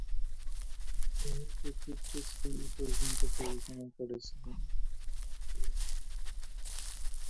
তিনি চতুর্থ শ্রেণি পর্যন্ত পড়াশোনা করেছিলেন।